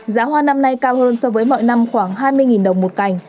giá hoa năm nay cao hơn so với mọi năm khoảng hai mươi đồng một cành